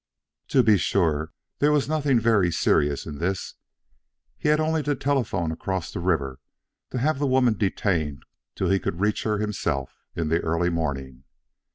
To be sure, there was nothing very serious in this. He had only to telephone across the river to have the woman detained till he could reach her himself in the early morning.